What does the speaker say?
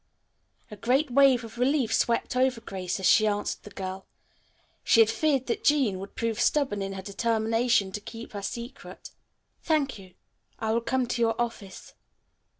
A great wave of relief swept over Grace as she answered the girl. She had feared that Jean would prove stubborn in her determination to keep her secret. "Thank you. I will come to your office."